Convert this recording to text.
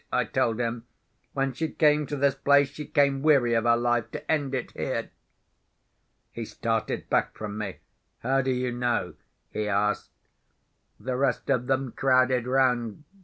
I told him. "When she came to this place, she came weary of her life, to end it here." He started back from me. "How do you know?" he asked. The rest of them crowded round.